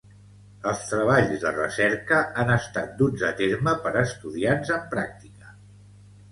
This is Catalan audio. Els treballs de recerca han estat duts a terme per estudiants en pràctica.